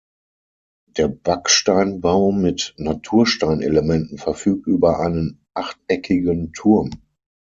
Der Backsteinbau mit Naturstein-Elementen verfügt über einen achteckigen Turm.